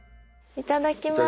いただきます。